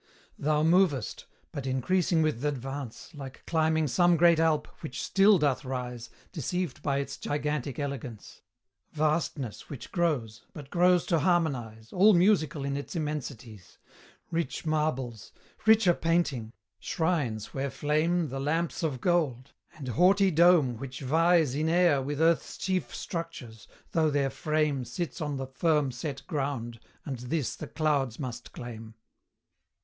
Thou movest but increasing with th' advance, Like climbing some great Alp, which still doth rise, Deceived by its gigantic elegance; Vastness which grows but grows to harmonise All musical in its immensities; Rich marbles richer painting shrines where flame The lamps of gold and haughty dome which vies In air with Earth's chief structures, though their frame Sits on the firm set ground and this the clouds must claim.